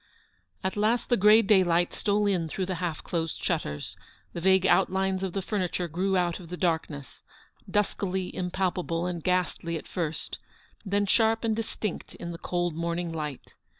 At last the grey daylight stole in through the half closed shutters, the vague outlines of the furniture grew out of the darkness ; duskily im palpable and ghastly at first, then sharp and distinct in the cold morning light.